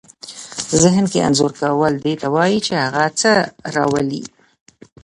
ذهن کې انځور کول دې ته وايي چې هغه څه راولئ.